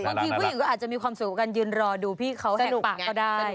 บางทีผู้หญิงก็อาจจะมีความสุขกับการยืนรอดูพี่เขาสนุกปากก็ได้